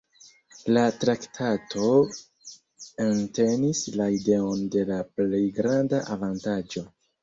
La traktato entenis la ideon de la plej granda avantaĝo.